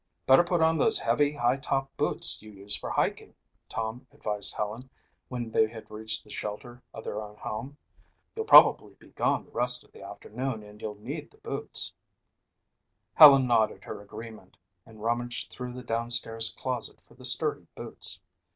"Better put on those heavy, high topped boots you use for hiking," Tom advised Helen when they had reached the shelter of their own home. "You'll probably be gone the rest of the afternoon and you'll need the boots." Helen nodded her agreement and rummaged through the down stairs closet for the sturdy boots.